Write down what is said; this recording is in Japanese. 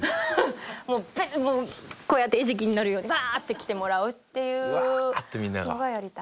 もうこうやって餌食になるバーッて来てもらうっていうのがやりたい。